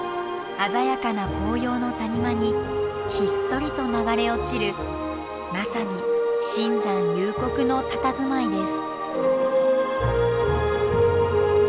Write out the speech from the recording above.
鮮やかな紅葉の谷間にひっそりと流れ落ちるまさに深山幽谷のたたずまいです。